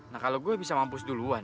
nah kalau gue bisa mampus duluan